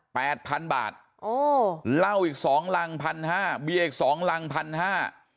แปดพันบาทเล่าอีกสองลังพันห้าบีอีกสองลังพันห้า